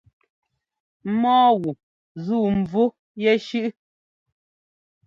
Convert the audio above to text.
Mɔ́ɔ wu zúu mvú yɛshʉ́ʼʉ?